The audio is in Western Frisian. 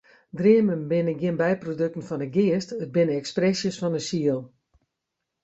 Dreamen binne gjin byprodukten fan de geast, it binne ekspresjes fan de siel.